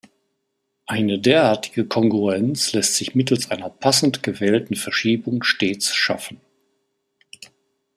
Eine derartige Kongruenz lässt sich mittels einer passend gewählten Verschiebung stets schaffen.